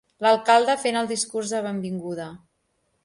L'alcalde fent el discurs de benvinguda.